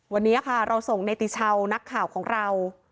วันนี้ค่ะเราส่งเนติชาวนักข่าวของเรา